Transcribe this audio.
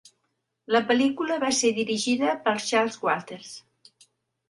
La pel·lícula va ser dirigida per Charles Walters.